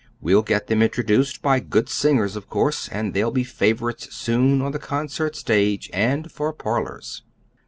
We'll get them introduced by good singers, of course, and they'll be favorites soon for the concert stage, and for parlors."